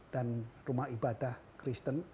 dan rumah ibadah kristen